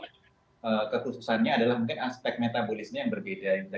nah mungkin kasus f ini memang kekhususannya adalah mungkin aspek metabolisnya yang berbeda